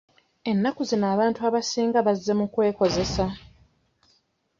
Ennaku zino abantu abasinga bazze mu kwekozesa.